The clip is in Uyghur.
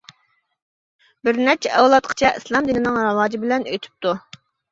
بىرنەچچە ئەۋلادقىچە ئىسلام دىنىنىڭ راۋاجى بىلەن ئۆتۈپتۇ.